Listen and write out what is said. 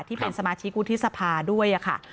ที่เป็นสมาชิกวุฒิสภาด้วยค่ะ